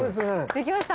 できました。